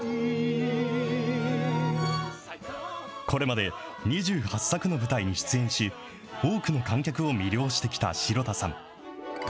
これまで２８作の舞台に出演し、多くの観客を魅了してきた城田さん。